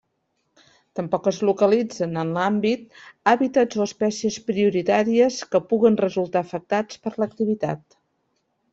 Tampoc es localitzen en l'àmbit hàbitats o espècies prioritàries que puguen resultar afectats per l'activitat.